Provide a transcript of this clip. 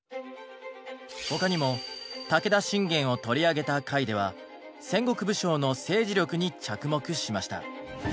他にも武田信玄を取り上げた回では戦国武将の政治力に着目しました。